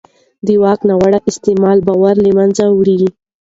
د واک ناوړه استعمال باور له منځه وړي